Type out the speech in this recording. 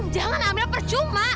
jangan amira percuma